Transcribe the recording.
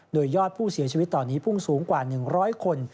โดยยอดผู้เสียชีวิตตอนนี้พุ่งสูงกว่า๑๐๐คน